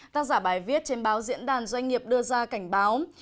tác giả bài viết trên báo diễn đàn doanh nghiệp đưa ra cảnh báo